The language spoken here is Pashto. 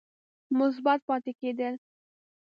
مثبت پاتې کېد ل